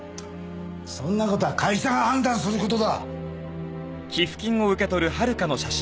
そんな事は会社が判断する事だ！